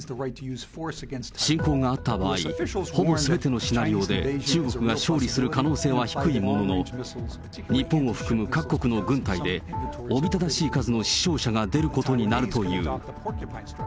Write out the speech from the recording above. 侵攻があった場合、ほぼすべてのシナリオで、中国が勝利する可能性は低いものの、日本を含む各国の軍隊で、おびただしい数の死傷者が出ることになるという。